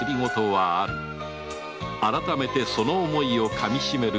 改めてその思いを噛みしめる